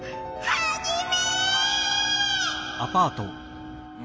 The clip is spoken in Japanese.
ハジメ！